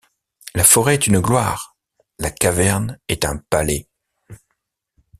La forêt est une gloire ; La caverne est un palais!